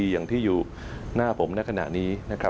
อย่างที่อยู่หน้าผมในขณะนี้